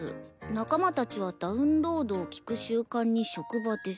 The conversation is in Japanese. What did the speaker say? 仲間たちはダウンロードを聞く習慣に職場です」。